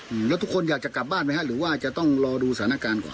อืมแล้วทุกคนอยากจะกลับบ้านไหมฮะหรือว่าจะต้องรอดูสถานการณ์ก่อน